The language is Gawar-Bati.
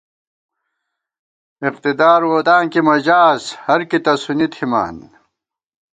اقتدار ووداں کی مہ ژاس، ہر کی تسُونی تھِمان